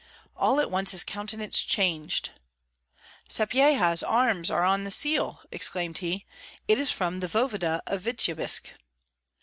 All at once his countenance changed. "Sapyeha's arms are on the seal!" exclaimed he; "it is from the voevoda of Vityebsk."